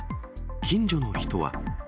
近所の人は。